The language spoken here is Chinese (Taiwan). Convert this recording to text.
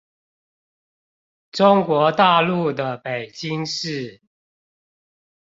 中國大陸的北京市